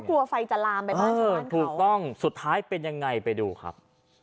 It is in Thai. กลัวไฟจะลามไปบ้านเธอถูกต้องสุดท้ายเป็นยังไงไปดูครับ